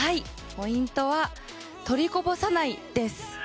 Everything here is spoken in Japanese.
ポイントは取りこぼさないです。